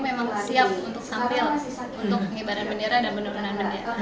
memang siap untuk tampil untuk penghibaran bendera dan penurunan